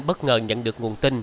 bất ngờ nhận được nguồn tin